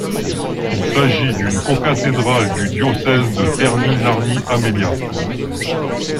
Il s'agit d'une cocathédrale du diocèse de Terni-Narni-Amelia.